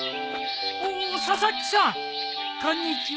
おお佐々木さんこんにちは。